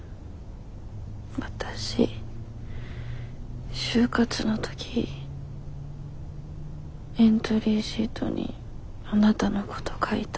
わたし就活の時エントリーシートにあなたのこと書いた。